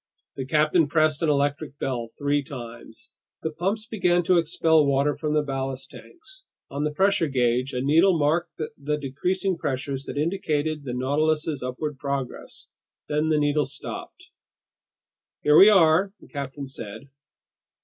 The captain pressed an electric bell three times. The pumps began to expel water from the ballast tanks; on the pressure gauge, a needle marked the decreasing pressures that indicated the Nautilus's upward progress; then the needle stopped. "Here we are," the captain said.